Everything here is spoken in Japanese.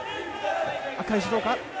赤石どうか。